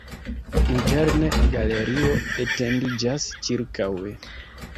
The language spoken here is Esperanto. Interne galerio etendiĝas ĉirkaŭe.